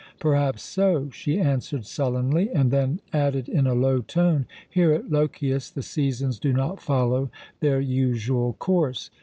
"Perhaps so," she answered sullenly, and then added in a low tone: "Here at Lochias the seasons do not follow their usual course.